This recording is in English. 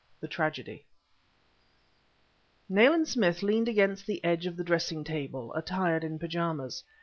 THE TRAGEDY Nayland Smith leaned against the edge of the dressing table, attired in pyjamas.